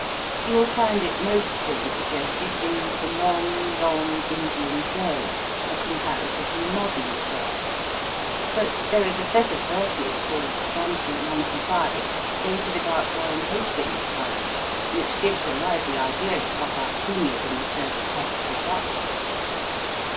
You will find it most fully suggested in The Long, Long Indian Day/ a comparatively modern affair ; but there is a set of verses called Scanty Ninety five, dated about Warren Hastings s time, which gives a lively idea of what our seniors in the Service had to put up with.